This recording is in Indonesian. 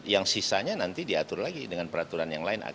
yang sisanya nanti diatur lagi dengan peraturan yang lain